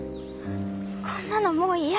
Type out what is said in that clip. こんなのもう嫌！